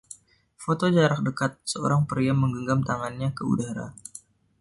Foto jarak dekat seorang pria menggenggam tangannya ke udara.